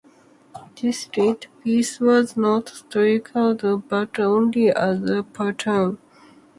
This rare piece was not struck for circulation but only as a pattern.